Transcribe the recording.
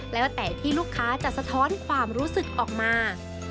แล้วแต่ที่ลูกค้าจะสะท้อนความรู้สึกออกมา